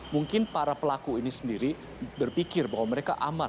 mungkin para pelaku ini sendiri berpikir bahwa mereka aman